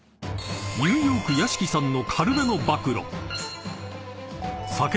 ［ニューヨーク屋敷さんの］